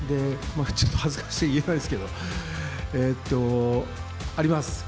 ちょっと恥ずかしくて言えないんですけど、あります。